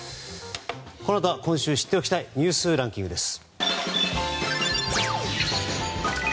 このあとは、今週知っておきたいニュースランキングです。